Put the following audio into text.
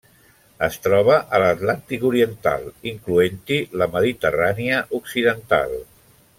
Es troba a l'Atlàntic oriental, incloent-hi la Mediterrània occidental.